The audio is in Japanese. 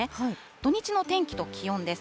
土日の天気と気温です。